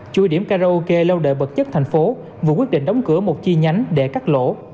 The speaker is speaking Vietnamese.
chui điểm karaoke lâu đợi bật chất thành phố vụ quyết định đóng cửa một chi nhánh để cắt lỗ